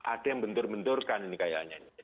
ada yang bentur benturkan ini kayaknya